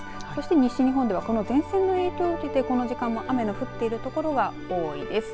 西日本では前線の影響でこの時間も雨が降っている所が多いです。